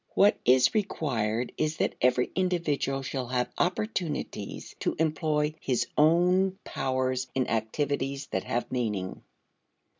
What is required is that every individual shall have opportunities to employ his own powers in activities that have meaning.